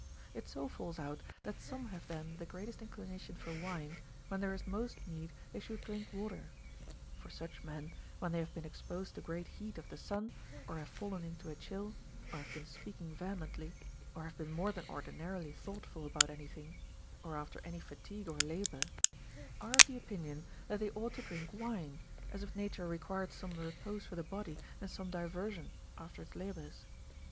It so falls out, that some have then the greatest inclination for wine when there is most need they should drink water ; for such men, when they have been exposed to great heat of the sun, or have fallen into a chill, or have been speaking vehemently, or have been more than ordinarily thoughtful about any thing, or after any fatigue or labor, are of the opinion that they ought to 270 RULES roil THE PRESERVATION OF HEALTH drink wine, as if nature required some repose for the body and some diversion after its .labors.